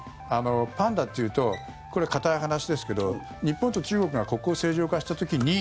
パンダというとこれ、堅い話ですけど日本と中国が国交正常化した時に。